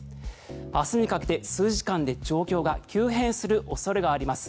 明日にかけて数時間で状況が急変する恐れがあります。